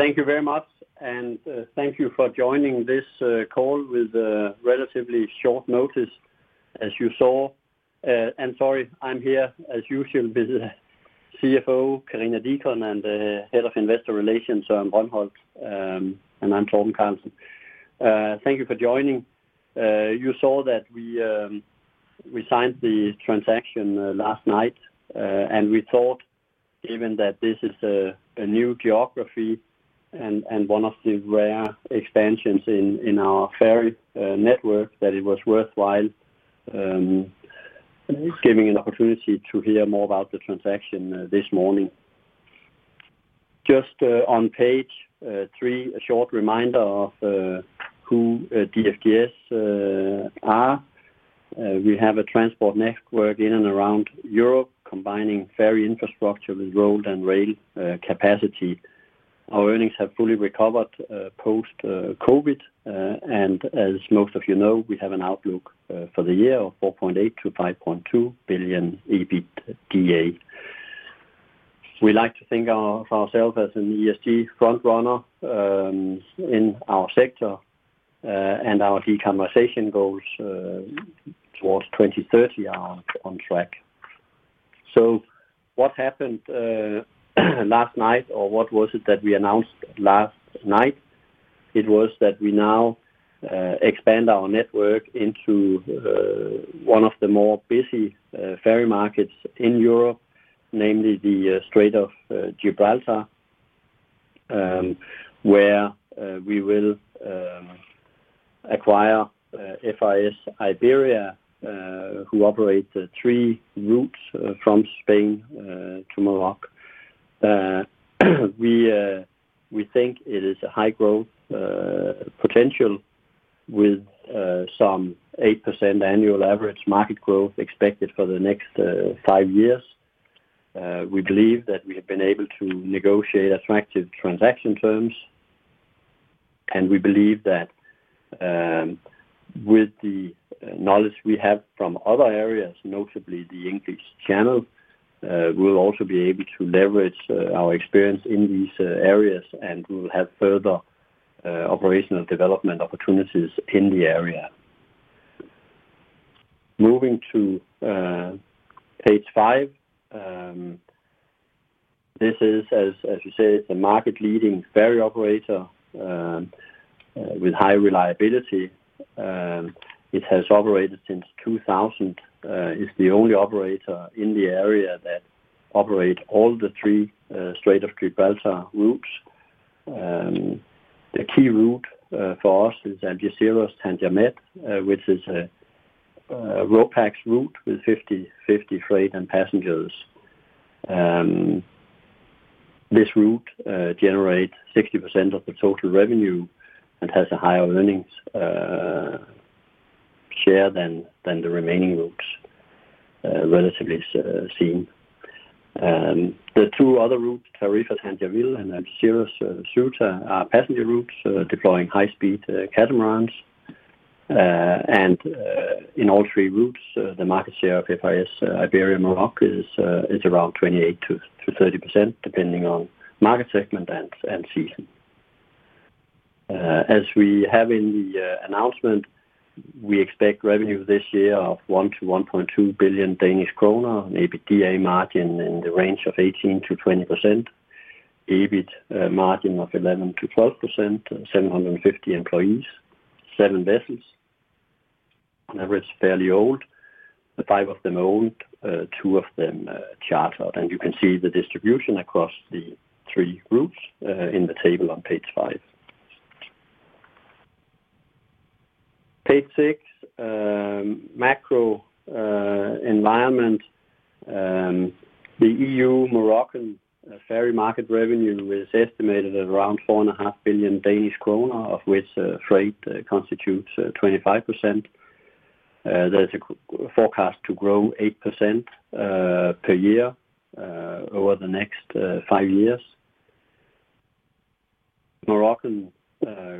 Thank you very much, and thank you for joining this call with a relatively short notice, as you saw. And sorry, I'm here, as usual, with CFO Karina Deacon, and the Head of Investor Relations, Ron Holt, and I'm Torben Carlsen. Thank you for joining. You saw that we signed the transaction last night, and we thought given that this is a new geography and one of the rare expansions in our ferry network, that it was worthwhile giving an opportunity to hear more about the transaction this morning. Just on page three, a short reminder of who DFDS are. We have a transport network in and around Europe, combining ferry infrastructure with road and rail capacity. Our earnings have fully recovered post COVID, and as most of you know, we have an outlook for the year of 4.8 billion-5.2 billion EBITDA. We like to think of ourselves as an ESG front runner in our sector, and our decarbonization goals towards 2030 are on track. So what happened last night, or what was it that we announced last night? It was that we now expand our network into one of the more busy ferry markets in Europe, namely the Strait of Gibraltar, where we will acquire FRS Iberia, who operate the three routes from Spain to Morocco. We think it is a high growth potential with some 8% annual average market growth expected for the next five years. We believe that we have been able to negotiate attractive transaction terms, and we believe that, with the knowledge we have from other areas, notably the English Channel, we'll also be able to leverage our experience in these areas, and we'll have further operational development opportunities in the area. Moving to page five. This is, as you said, the market-leading ferry operator with high reliability. It has operated since 2000. It's the only operator in the area that operate all the three Strait of Gibraltar routes. The key route for us is Algeciras-Tangier Med, which is a Ro-Pax route with 50/50 freight and passengers. This route generates 60% of the total revenue and has a higher earnings share than the remaining routes, relatively seen. The two other routes, Tarifa-Tangier Ville, and Algeciras-Ceuta, are passenger routes deploying high-speed catamarans. In all three routes, the market share of FRS Iberia/Maroc is around 28%-30%, depending on market segment and season. As we have in the announcement, we expect revenue this year of 1 billion-1.2 billion Danish kroner, an EBITDA margin in the range of 18%-20%, EBITDA margin of 11%-12%, and 750 employees, seven vessels. On average, fairly old. Five of them owned, two of them chartered. And you can see the distribution across the three routes in the table on page five. Page six, macro environment. The EU Moroccan ferry market revenue is estimated at around 4.5 billion Danish kroner, of which freight constitutes 25%. There's a forecast to grow 8% per year over the next five years. Moroccan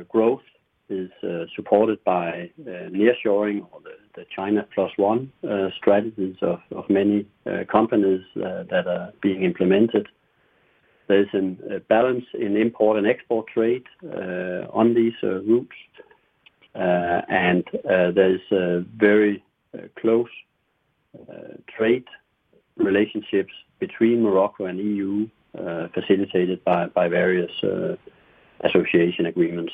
growth is supported by nearshoring or the China Plus One strategies of many companies that are being implemented. There's a balance in import and export rate on these routes, and there's a very close trade relationships between Morocco and EU, facilitated by various association agreements,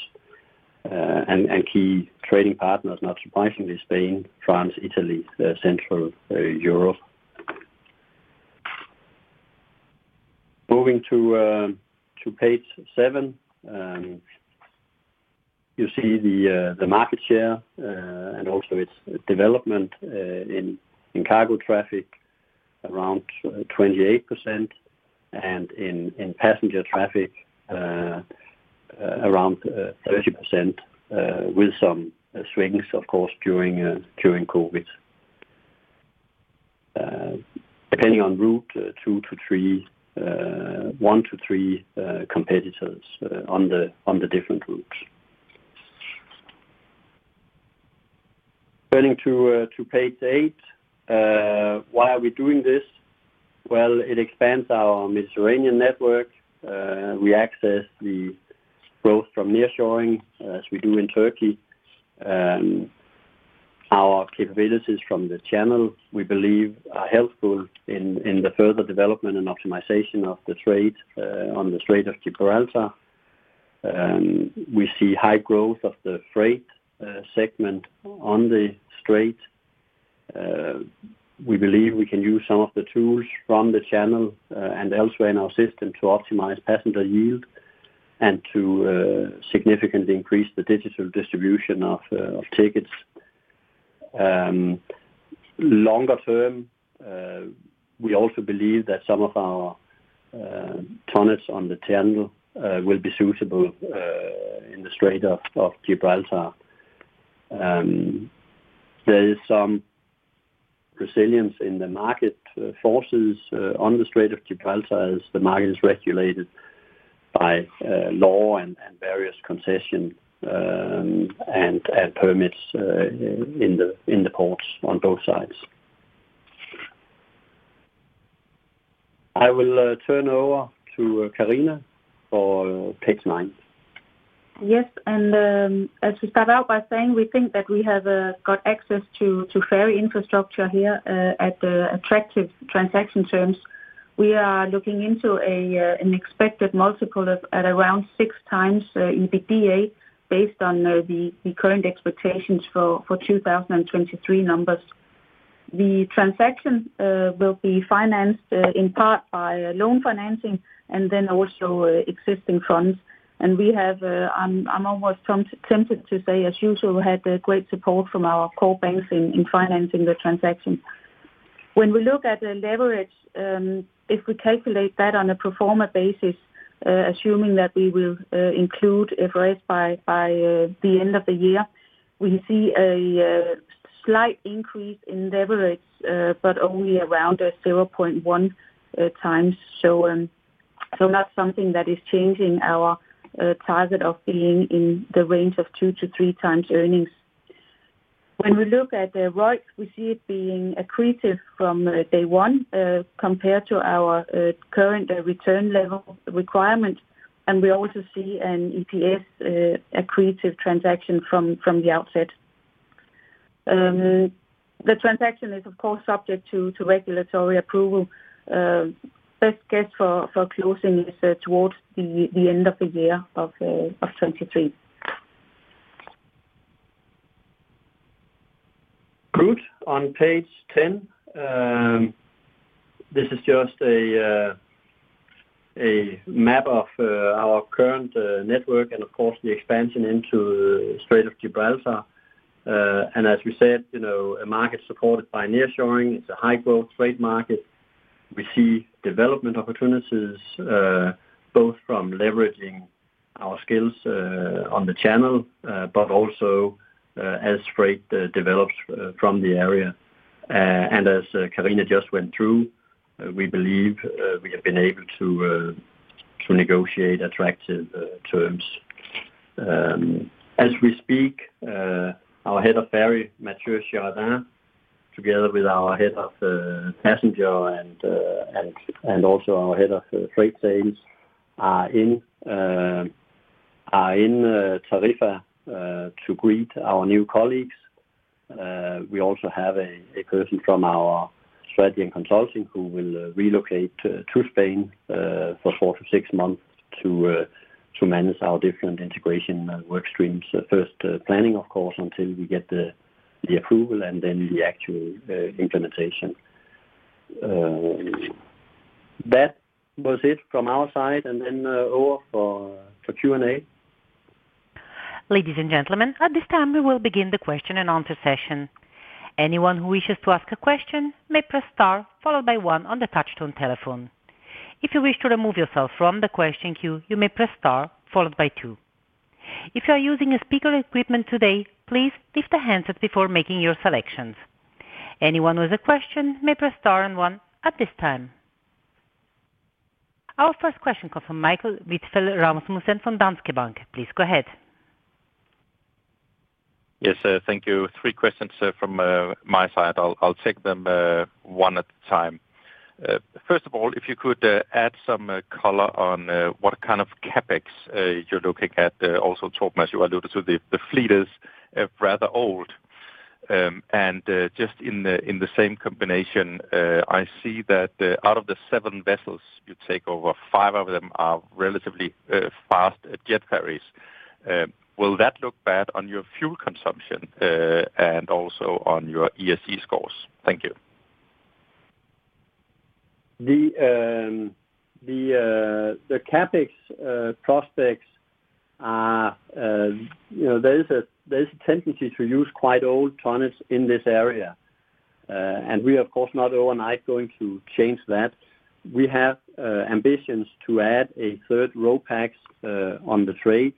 and key trading partners, not surprisingly, Spain, France, Italy, Central Europe. Moving to page seven. You see the market share and also its development in cargo traffic, around 28%, and in passenger traffic around 30%, with some swings, of course, during COVID. Depending on route, 2-3, 1-3 competitors on the different routes. Turning to page eight. Why are we doing this? Well, it expands our Mediterranean network. We access the growth from nearshoring, as we do in Turkey. Our capabilities from the channel, we believe are helpful in the further development and optimization of the trade on the Strait of Gibraltar. We see high growth of the freight segment on the Strait. We believe we can use some of the tools from the channel and elsewhere in our system to optimize passenger yield and to significantly increase the digital distribution of tickets. Longer term, we also believe that some of our tonnages on the channel will be suitable in the Strait of Gibraltar. There is some resilience in the market forces on the Strait of Gibraltar as the market is regulated by law and various concession and permits in the ports on both sides. I will turn over to Karina for page nine. Yes, and as we start out by saying, we think that we have got access to ferry infrastructure here at the attractive transaction terms. We are looking into an expected multiple of at around 6x EBITDA, based on the current expectations for 2023 numbers. The transaction will be financed in part by loan financing and then also existing funds. And we have, I'm almost tempted to say, as usual, we had great support from our core banks in financing the transaction. When we look at the leverage, if we calculate that on a pro forma basis, assuming that we will include a raise by the end of the year, we see a slight increase in leverage, but only around 0.1x. So, so not something that is changing our target of being in the range of 2-3x earnings. When we look at the ROIs, we see it being accretive from day one, compared to our current return level requirement. And we also see an EPS accretive transaction from the outset. The transaction is, of course, subject to regulatory approval. Best guess for closing is towards the end of the year of 2023. Good. On page 10, this is just a map of our current network and of course, the expansion into Strait of Gibraltar. And as we said, you know, a market supported by nearshoring, it's a high-growth freight market. We see development opportunities both from leveraging our skills on the channel but also as freight develops from the area. And as Karina just went through, we believe we have been able to to negotiate attractive terms. As we speak, our head of ferry, Mathieu Girardin, together with our head of passenger and and and also our head of freight sales, are in are in Tarifa to greet our new colleagues. We also have a person from our strategy and consulting who will relocate to Spain for 4-6 months to manage our different integration and work streams. First, planning, of course, until we get the approval and then the actual implementation. That was it from our side, and then over for Q&A. Ladies and gentlemen, at this time, we will begin the question and answer session. Anyone who wishes to ask a question may press star, followed by one on the touchtone telephone. If you wish to remove yourself from the question queue, you may press star followed by two. If you are using a speaker equipment today, please leave the handset before making your selections. Anyone with a question may press star and one at this time. Our first question comes from Michael Vitfell-Rasmussen from Danske Bank. Please go ahead. Yes, thank you. Three questions from my side. I'll take them one at a time. First of all, if you could add some color on what kind of CapEx you're looking at. Also talked as you alluded to, the fleet is rather old. And just in the same combination, I see that out of the seven vessels you take over, five of them are relatively fast jet ferries. Will that look bad on your fuel consumption, and also on your ESG scores? Thank you. The CapEx prospects are, you know, there is a tendency to use quite old tonnages in this area. And we, of course, not overnight going to change that. We have ambitions to add a third Ro-Pax on the trade.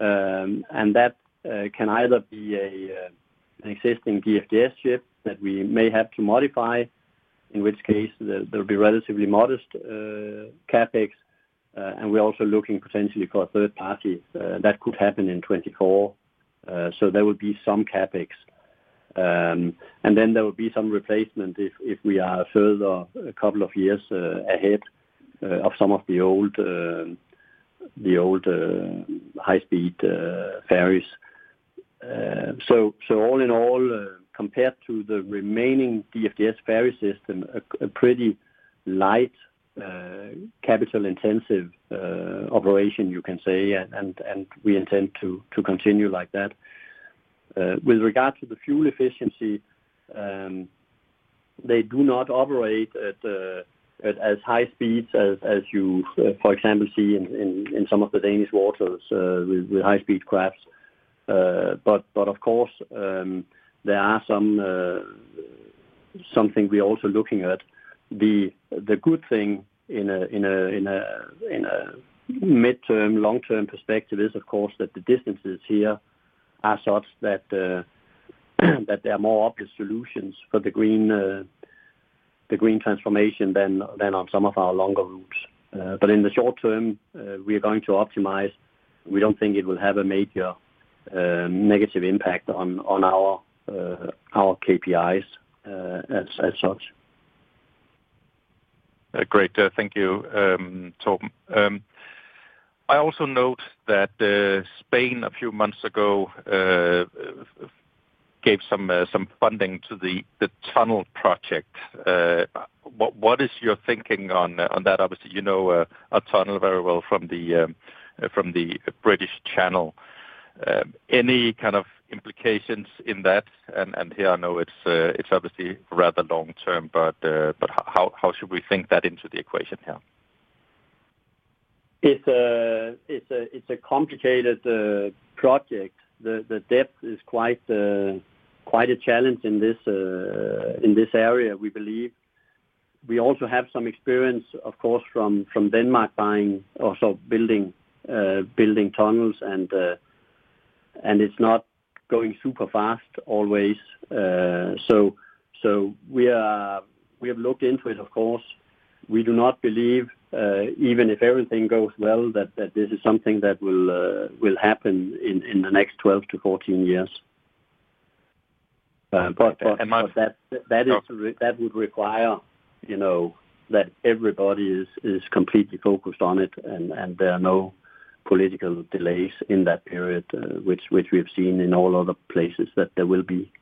And that can either be an existing DFDS ship that we may have to modify. In which case there will be relatively modest CapEx, and we're also looking potentially for a third party that could happen in 2024. So there will be some CapEx. And then there will be some replacement if we are further a couple of years ahead of some of the old high speed ferries. So all in all, compared to the remaining DFDS ferry system, a pretty light capital-intensive operation you can say, and we intend to continue like that. With regard to the fuel efficiency, they do not operate at as high speeds as you, for example, see in some of the Danish waters with high-speed craft. But of course, there are some something we're also looking at. The good thing in a midterm long-term perspective is, of course, that the distances here are such that there are more obvious solutions for the green transformation than on some of our longer routes. But in the short term, we are going to optimize. We don't think it will have a major negative impact on our KPIs, as such. Great. Thank you, Torben. I also note that Spain, a few months ago, gave some funding to the tunnel project. What is your thinking on that? Obviously, you know, a tunnel very well from the British channel. Any kind of implications in that? And here, I know it's obviously rather long term, but how should we think that into the equation here? It's a complicated project. The depth is quite a challenge in this area, we believe. We also have some experience, of course, from Denmark buying or so, building tunnels and it's not going super fast always. We have looked into it of course. We do not believe, even if everything goes well, that this is something that will happen in the next 12-14 years. But that would require, you know, that everybody is completely focused on it and there are no political delays in that period, which we have seen in all other places that there will be.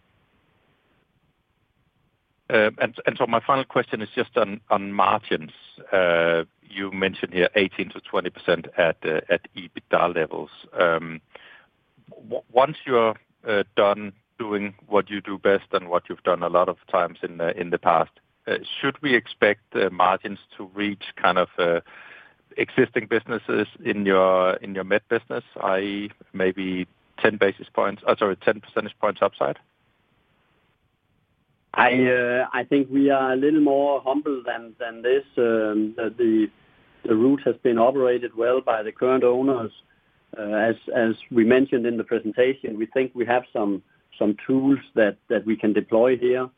So my final question is just on margins. You mentioned here 18%-20% at EBITDA levels. Once you are done doing what you do best and what you've done a lot of times in the past, should we expect margins to reach kind of existing businesses in your Med business, i.e., maybe 10 basis points, sorry, 10 percentage points upside? I, I think we are a little more humble than, than this. The, the route has been operated well by the current owners. As, as we mentioned in the presentation, we think we have some, some tools that, that we can deploy here,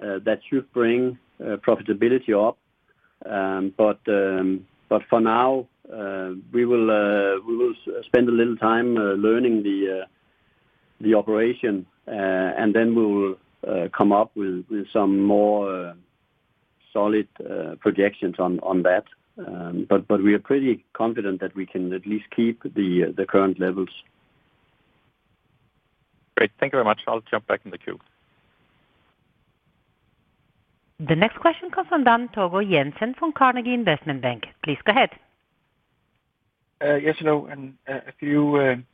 that should bring, profitability up. But, but for now, we will, we will spend a little time, learning the, the operation, and then we will, come up with, with some more, solid, projections on, on that. But, but we are pretty confident that we can at least keep the, the current levels. Great. Thank you very much. I'll jump back in the queue. The next question comes from Dan Togo Jensen, from Carnegie Investment Bank. Please go ahead. Yes, hello, and a few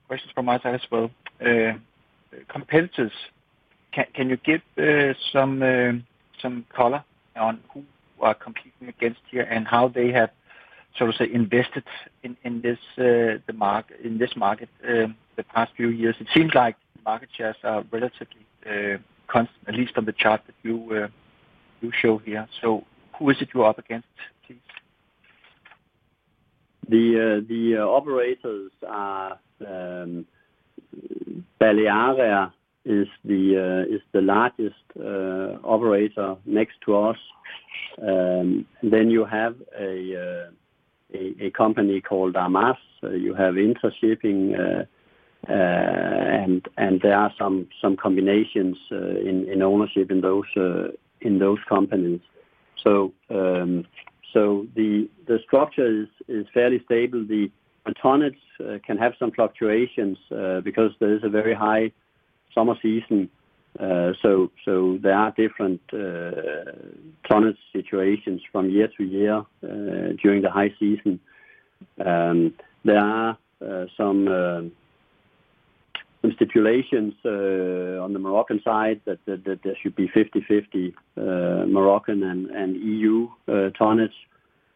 questions from my side as well. Competitors, can you give some color on who are competing against you and how they have, so to say, invested in this market in the past few years? It seems like market shares are relatively con... At least on the chart that you show here. So who is it you're up against, please? The operators are. Baleària is the largest operator next to us. Then you have a company called Armas. You have Intershipping, and there are some combinations in ownership in those companies. So the structure is fairly stable. The tonnages can have some fluctuations because there is a very high summer season. So there are different tonnage situations from year to year during the high season. There are some stipulations on the Moroccan side that there should be 50/50 Moroccan and EU tonnage,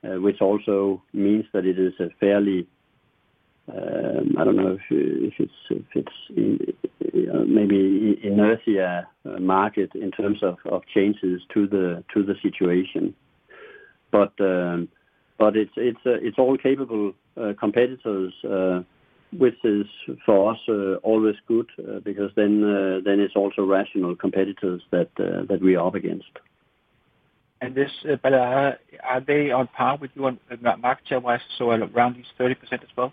which also means that it is a fairly, I don't know if it's maybe inertia market in terms of changes to the situation. But it's all capable competitors, which is for us always good, because then it's also rational competitors that we're up against. Are they on par with you on market share-wise, so around this 30% as well?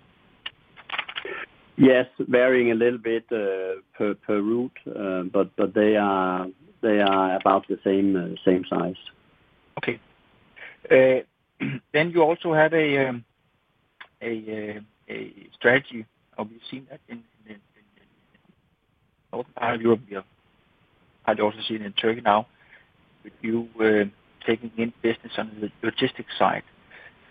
Yes, varying a little bit per route. But they are about the same size. Okay. Then you also have a strategy, and we've seen that in Northern Europe here. I've also seen it in Turkey now, with you taking in business on the logistics side.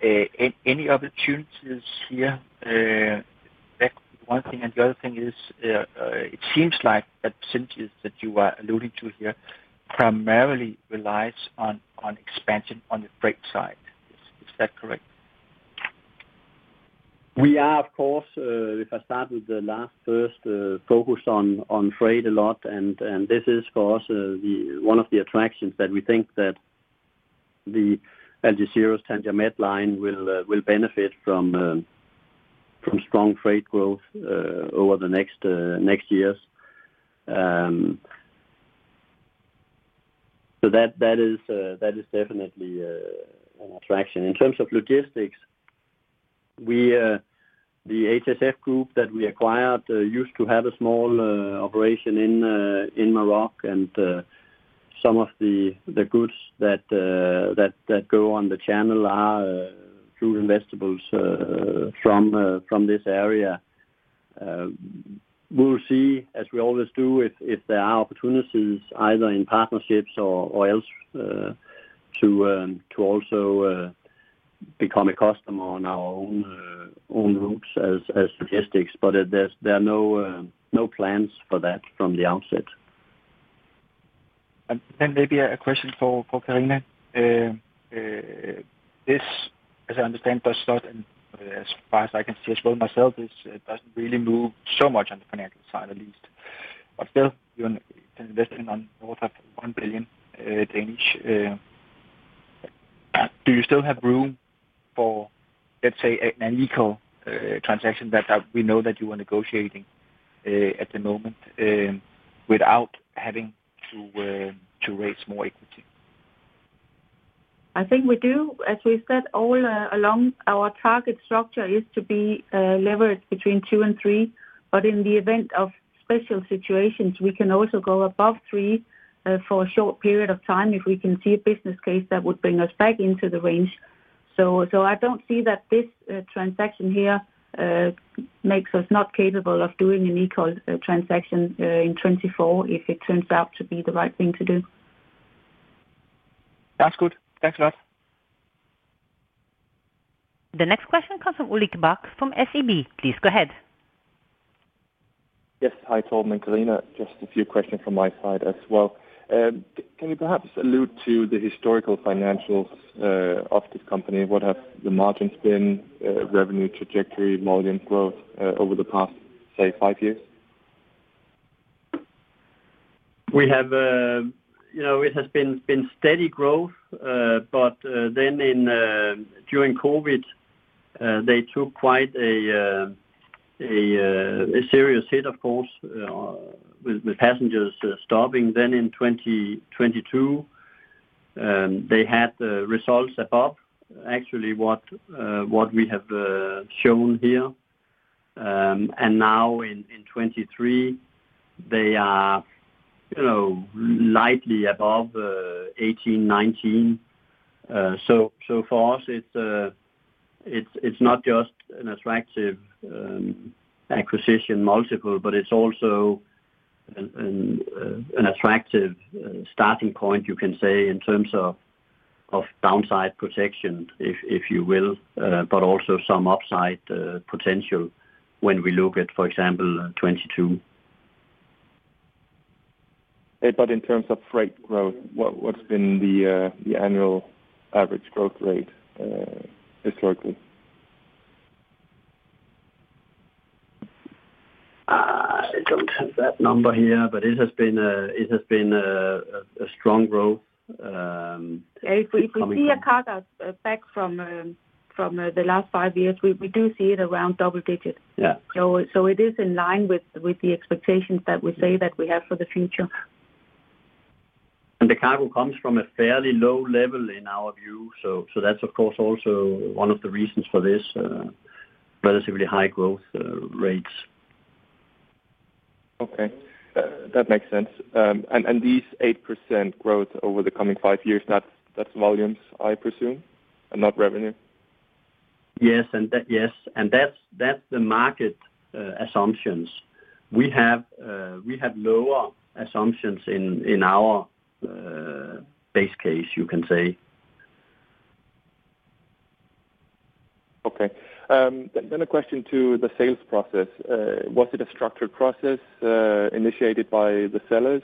Any opportunities here? That's one thing, and the other thing is, it seems like that synergies that you are alluding to here primarily relies on expansion on the freight side. Is that correct? We are, of course, if I start with the last first, focus on trade a lot, and this is for us the one of the attractions that we think that the Algeciras-Tangier Med line will benefit from strong freight growth over the next years. So that is definitely an attraction. In terms of logistics, we the HSF Group that we acquired used to have a small operation in Morocco, and some of the goods that go on the channel are fruit and vegetables from this area. We'll see, as we always do, if there are opportunities either in partnerships or else to also become a customer on our own routes as logistics. But there are no plans for that from the outset. And then maybe a question for Karina. This, as I understand, does not, as far as I can see as well myself, doesn't really move so much on the financial side, at least. But still you're investing on more than DKK 1 billion Danish. Do you still have room for, let's say, an equal transaction that we know that you are negotiating at the moment, without having to raise more equity? I think we do. As we've said all along, our target structure is to be leveraged between two and three. But in the event of special situations, we can also go above three for a short period of time if we can see a business case that would bring us back into the range. So I don't see that this transaction here makes us not capable of doing an equal transaction in 2024, if it turns out to be the right thing to do. That's good. Thanks a lot. The next question comes from Ulrik Bak from SEB. Please go ahead. Yes, hi, Torben and Karina, just a few questions from my side as well. Can you perhaps allude to the historical financials of this company? What have the margins been, revenue trajectory, volume growth, over the past, say, five years? We have, you know, it has been steady growth, but then during COVID, they took quite a serious hit, of course, with passengers stopping. Then in 2022, they had results above actually what we have shown here. And now in 2023, they are, you know, lightly above 18-19. So for us, it's not just an attractive acquisition multiple, but it's also an attractive starting point, you can say, in terms of downside protection, if you will, but also some upside potential when we look at, for example, 2022. In terms of freight growth, what’s been the annual average growth rate historically? I don't have that number here, but it has been a strong growth. If we see a cargo back from the last five years, we do see it around double digits. Yeah. So it is in line with the expectations that we say that we have for the future. The cargo comes from a fairly low level in our view. So that's, of course, also one of the reasons for this relatively high growth rates. Okay. That makes sense. And these 8% growth over the coming five years, that's volumes, I presume, and not revenue? Yes, and that's the market assumptions. We have lower assumptions in our base case, you can say. Okay. Then a question to the sales process. Was it a structured process initiated by the sellers?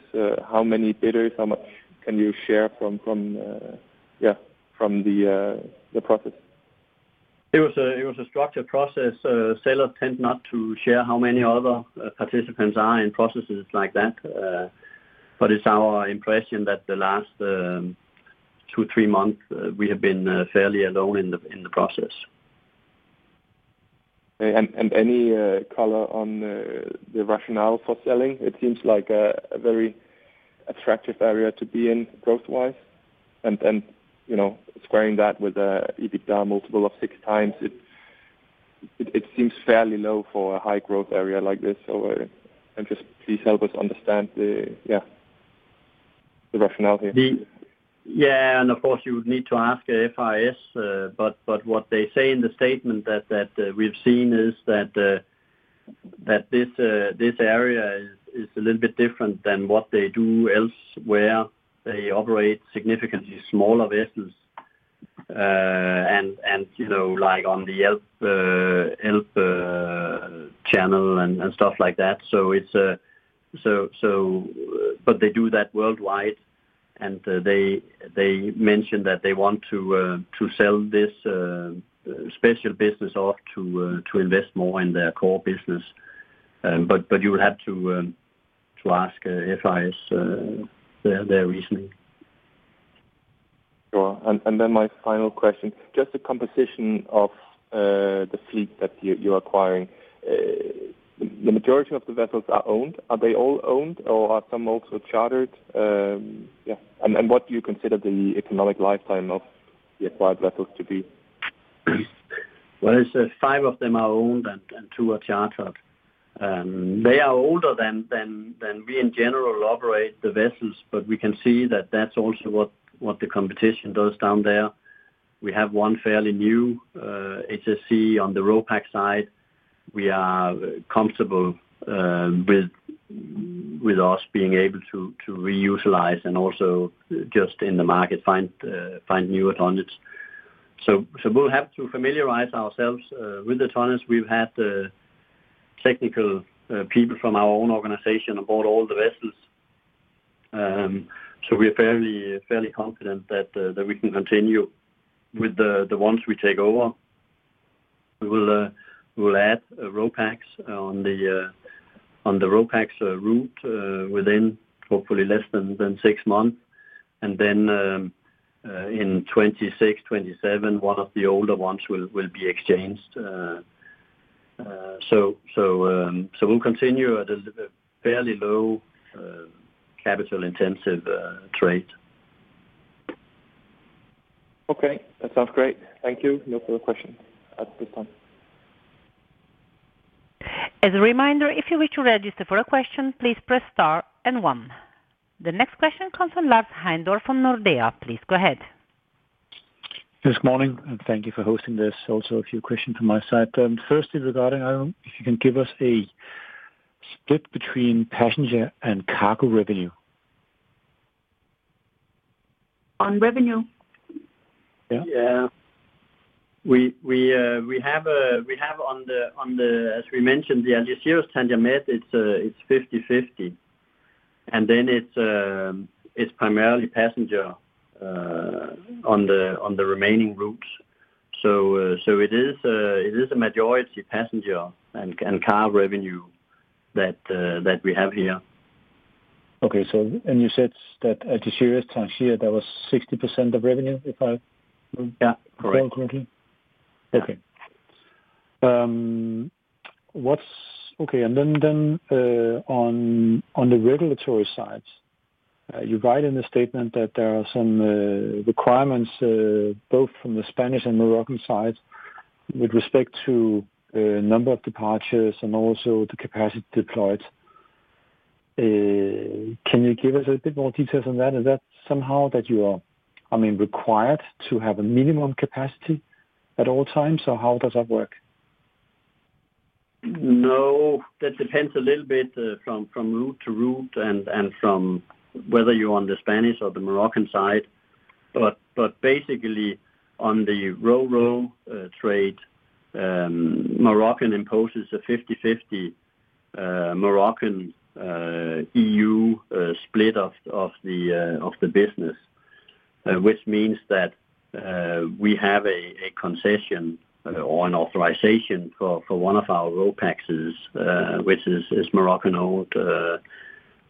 How many bidders? How much can you share from, yeah, from the process? It was a structured process. Sellers tend not to share how many other participants are in processes like that. But it's our impression that the last two, three months, we have been fairly alone in the process. Any color on the rationale for selling? It seems like a very attractive area to be in growth-wise, and, you know, squaring that with a EBITDA multiple of 6x, it seems fairly low for a high growth area like this. So, and just please help us understand the, yeah, the rationale here. Yeah, and of course, you would need to ask FRS, but what they say in the statement that we've seen is that this area is a little bit different than what they do elsewhere, where they operate significantly smaller vessels. And you know, like on the English Channel and stuff like that. So but they do that worldwide, and they mention that they want to sell this special business off to invest more in their core business. But you would have to ask FRS their reasoning. Sure. And then my final question, just the composition of the fleet that you're acquiring. The majority of the vessels are owned. Are they all owned, or are some also chartered? And what do you consider the economic lifetime of the acquired vessels to be? Well, I say five of them are owned, and two are chartered. They are older than we in general operate the vessels, but we can see that that's also what the competition does down there. We have one fairly new HSC on the Ro-Pax side. We are comfortable with us being able to reutilize and also just in the market find new tonnages. So we'll have to familiarize ourselves with the tonnages. We've had technical people from our own organization aboard all the vessels. So we're fairly confident that we can continue with the ones we take over. We'll add a Ro-Pax on the Ro-Pax route within hopefully less than six months. Then, in 2026, 2027, one of the older ones will be exchanged. So we'll continue at a fairly low capital-intensive rate. Okay, that sounds great. Thank you. No further questions at this time. As a reminder, if you wish to register for a question, please press star and one. The next question comes from Lars Heindorff from Nordea. Please go ahead. This morning, and thank you for hosting this. Also, a few questions from my side. Firstly, regarding, if you can give us a split between passenger and cargo revenue. On revenue? Yeah. We have on the, as we mentioned, the Algeciras-Tangier Med, it's 50/50. And then it's primarily passenger on the remaining routes. So it is a majority passenger and cargo revenue that we have here. Okay, so and you said that Algeciras-Tangier, that was 60% of revenue, if I- Yeah, correct. Okay. Okay, and then, on the regulatory side, you write in the statement that there are some requirements, both from the Spanish and Moroccan sides, with respect to number of departures and also the capacity deployed. Can you give us a bit more details on that? Is that somehow that you are, I mean, required to have a minimum capacity at all times, or how does that work? No, that depends a little bit from route to route and from whether you're on the Spanish or the Moroccan side. But basically on the Ro-ro trade, Moroccan imposes a 50/50 Moroccan EU split of the business. Which means that we have a concession or an authorization for one of our Ro-Paxes, which is Moroccan-owned,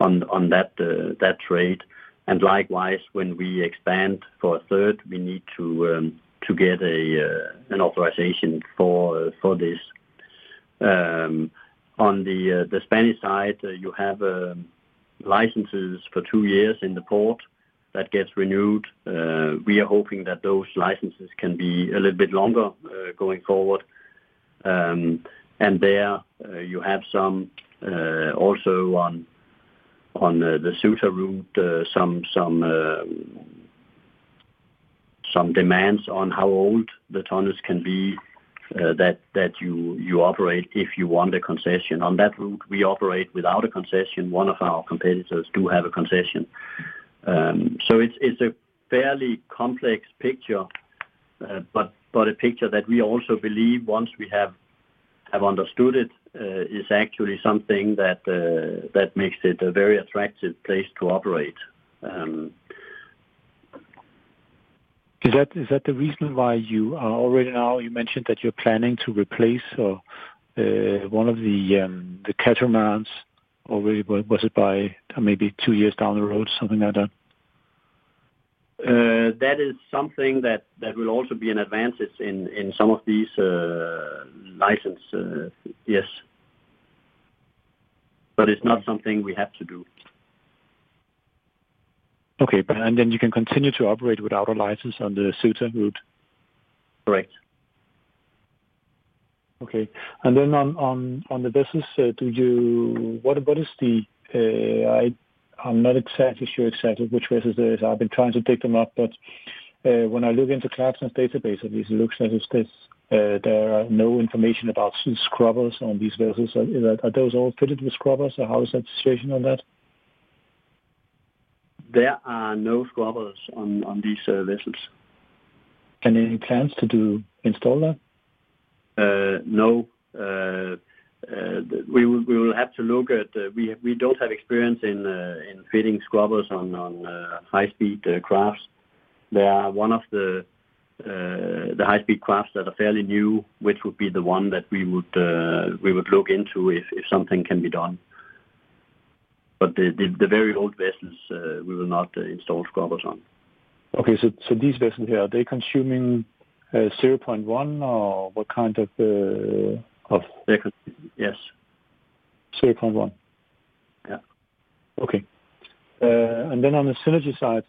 on that trade. And likewise, when we expand for a third, we need to get an authorization for this. On the Spanish side, you have licenses for two years in the port. That gets renewed. We are hoping that those licenses can be a little bit longer going forward. There you have some also on the Ceuta route some demands on how old the tonnages can be that you operate if you want a concession. On that route, we operate without a concession. One of our competitors do have a concession. So it's a fairly complex picture, but a picture that we also believe once we have understood it is actually something that makes it a very attractive place to operate. Is that, is that the reason why you are already now, you mentioned that you're planning to replace or, one of the, the catamarans, or was it by maybe two years down the road, something like that? That is something that will also be an advantage in some of these license, yes. But it's not something we have to do. Okay. But then you can continue to operate without a license on the Ceuta route? Correct. Okay. And then on the business, what about the vessels? I'm not exactly sure which vessels there are. I've been trying to dig them up, but when I look into Clarksons database, at least it looks like there is no information about scrubbers on these vessels. Are those all fitted with scrubbers, or how is that situation? There are no scrubbers on these vessels. Any plans to do install that? No. We will have to look at, we don't have experience in fitting scrubbers on high-speed crafts. There are one of the high-speed crafts that are fairly new, which would be the one that we would look into if something can be done. But the very old vessels, we will not install scrubbers on. Okay. So these vessels here, are they consuming 0.1, or what kind of- Of, yes. 0.1? Yeah. Okay. And then on the synergy side,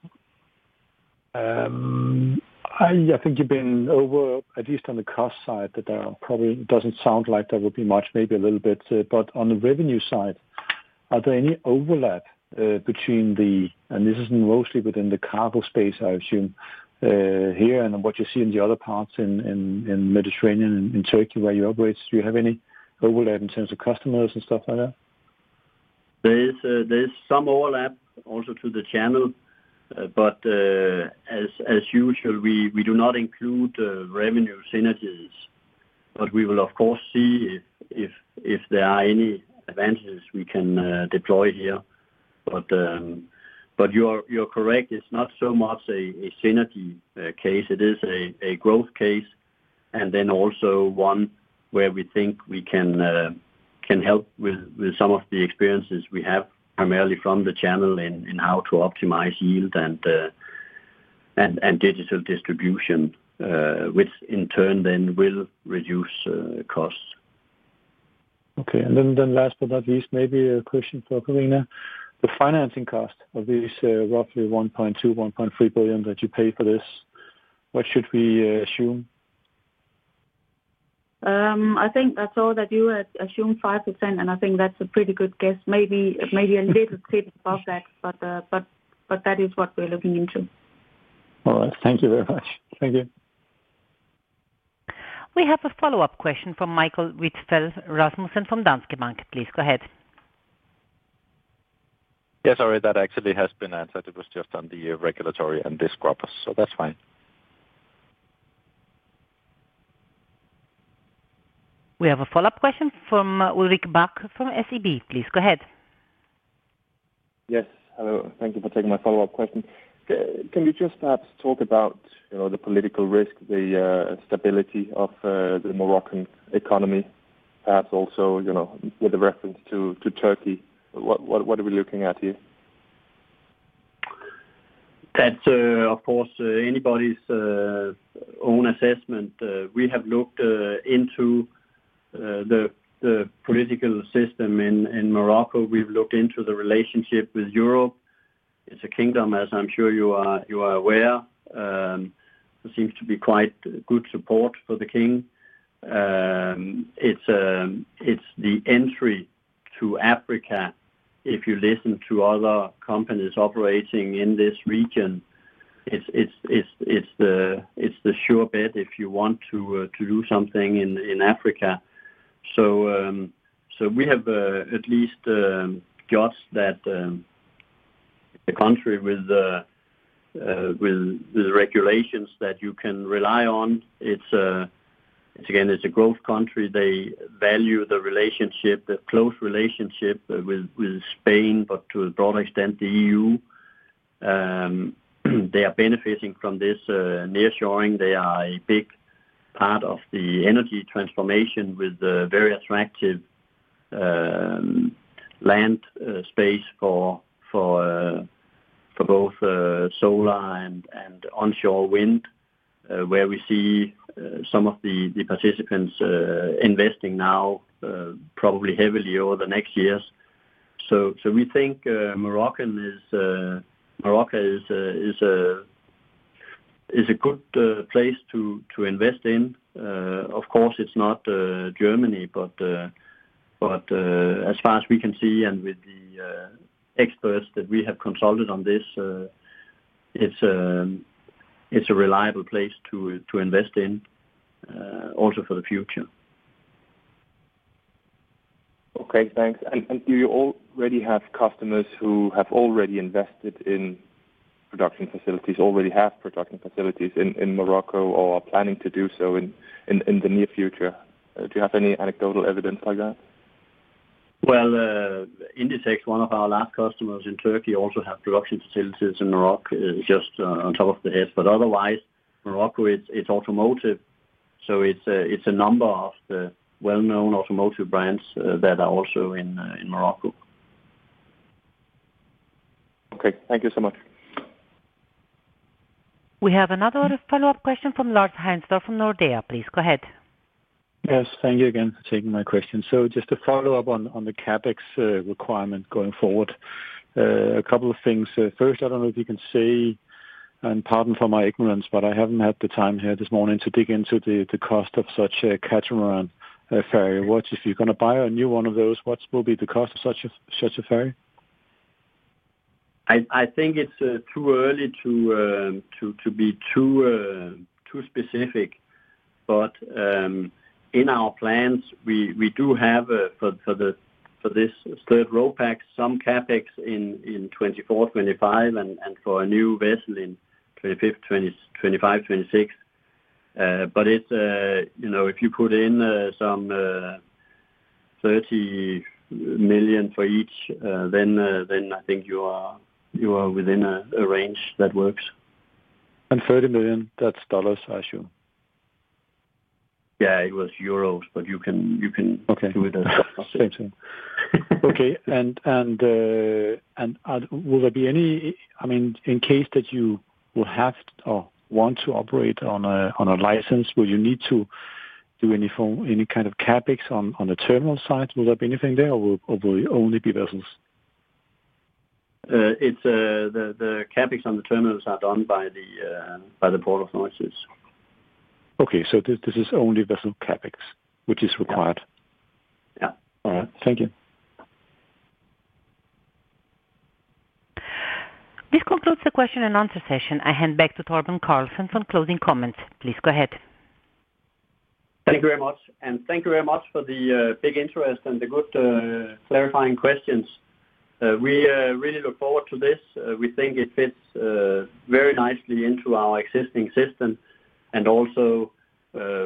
I think you've been over, at least on the cost side, that there probably doesn't sound like there will be much, maybe a little bit, but on the revenue side, are there any overlap between the and this is mostly within the cargo space, I assume, here and what you see in the other parts in the Mediterranean and in Turkey, where you operate. Do you have any overlap in terms of customers and stuff like that? There is, there's some overlap also to the channel. But as usual, we do not include revenue synergies. But we will, of course, see if there are any advantages we can deploy here. But you're correct. It's not so much a synergy case. It is a growth case, and then also one where we think we can help with some of the experiences we have, primarily from the channel in how to optimize yield and digital distribution, which in turn then will reduce costs. Okay. And then last but not least, maybe a question for Karina. The financing cost of this, roughly 1.2 billion-1.3 billion that you pay for this, what should we assume? I think I saw that you had assumed 5%, and I think that's a pretty good guess. Maybe a little bit above that, but that is what we're looking into. All right. Thank you very much. Thank you. We have a follow-up question from Michael Vitfell-Rasmussen from Danske Bank. Please go ahead. Yes, sorry, that actually has been answered. It was just on the regulatory and the scrubbers, so that's fine. We have a follow-up question from Ulrich Bak from SEB. Please go ahead. Yes. Hello, thank you for taking my follow-up question. Can you just perhaps talk about, you know, the political risk, the stability of the Moroccan economy, perhaps also, you know, with reference to Turkey? What, what, what are we looking at here? That's, of course, anybody's own assessment. We have looked into the political system in Morocco. We've looked into the relationship with Europe. It's a kingdom, as I'm sure you are aware. There seems to be quite good support for the king. It's the entry to Africa. If you listen to other companies operating in this region, it's the sure bet if you want to do something in Africa. So, we have at least judged that the country with regulations that you can rely on. It's again a growth country. They value the relationship, the close relationship with Spain, but to a broader extent, the EU. They are benefiting from this nearshoring. They are a big part of the energy transformation with very attractive land space for both solar and onshore wind where we see some of the participants investing now probably heavily over the next years. So we think Morocco is a good place to invest in. Of course, it's not Germany, but as far as we can see and with the experts that we have consulted on this, it's a reliable place to invest in also for the future. Okay, thanks. Do you already have customers who have already invested in production facilities, already have production facilities in Morocco, or are planning to do so in the near future? Do you have any anecdotal evidence like that? Well, Inditex, one of our last customers in Turkey, also have production facilities in Morocco, just on top of the head. But otherwise, Morocco, it's automotive, so it's a number of the well-known automotive brands that are also in Morocco. Okay, thank you so much. We have another follow-up question from Lars Heindorff from Nordea. Please, go ahead. Yes, thank you again for taking my question. So just to follow up on the CapEx requirement going forward. A couple of things. First, I don't know if you can say, and pardon for my ignorance, but I haven't had the time here this morning to dig into the cost of such a catamaran ferry. What if you're gonna buy a new one of those, what will be the cost of such a ferry? I think it's too early to be too specific. But in our plans, we do have for this third Ro-Pax some CapEx in 2024, 2025, and for a new vessel in 2025, 2026. But it's you know, if you put in some 30 million for each, then I think you are within a range that works. $30 million, that's dollars, I assume? Yeah, it was euros, but you can, you can- Okay. Do it as dollars. Same thing. Okay. And will there be any—I mean, in case that you will have or want to operate on a license, will you need to do any form, any kind of CapEx on the terminal side? Will there be anything there, or will it only be vessels? It's the CapEx on the terminals are done by the port authorities. Okay. This is only vessel CapEx, which is required. Yeah. All right. Thank you. This concludes the question and answer session. I hand back to Torben Carlsen for closing comments. Please go ahead. Thank you very much, and thank you very much for the big interest and the good clarifying questions. We really look forward to this. We think it fits very nicely into our existing system and also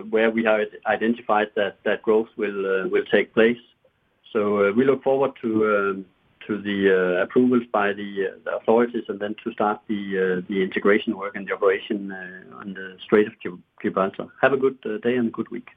where we have identified that growth will take place. So, we look forward to the approvals by the authorities and then to start the integration work and the operation on the Strait of Gibraltar. Have a good day and a good week.